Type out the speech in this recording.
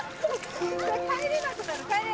帰れなくなる帰れなくなる。